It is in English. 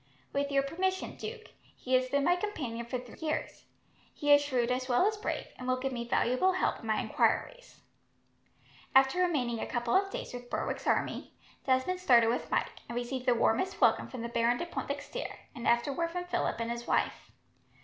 "With your permission, Duke. He has been my companion for three years. He is shrewd as well as brave, and will give me valuable help in my enquiries." After remaining a couple of days with Berwick's army, Desmond started with Mike, and received the warmest welcome from the Baron de Pointdexter, and afterwards from Philip and his wife.